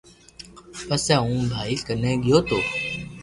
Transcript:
پسي ھون ڀائي ڪني گيو تو